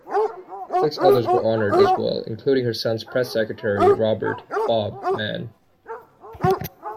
Six others were honored as well, including her son's press-secretary, Robert "Bob" Mann.